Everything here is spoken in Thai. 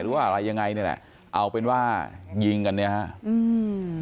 รู้ว่าอะไรยังไงเนี่ยเอาเป็นว่ายิงกันนะฮะอืม